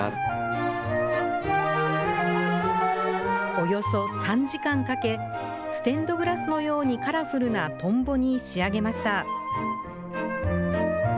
およそ３時間かけ、ステンドグラスのようにカラフルなトンボに仕上げました。